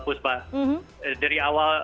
puspa dari awal